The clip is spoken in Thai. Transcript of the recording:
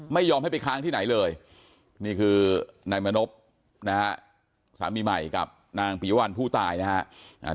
ไม่ยอมให้ไปค้างที่ไหนเลยนี่คือนายมณพนะฮะสามีใหม่กับนางปียวัลผู้ตายนะฮะ